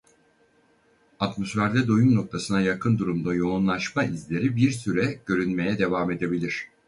Atmosferde doyum noktasına yakın durumda yoğunlaşma izleri bir süre görünmeye devam edebilir.